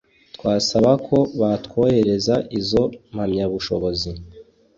twasaba ko batwohereza izo mpamyabushobozi